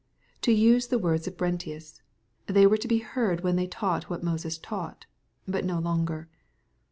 To use the words of Brentius, " They were to be heard when they taught what Moses taught," but no longer.